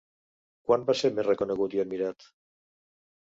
Quan va ser més reconegut i admirat?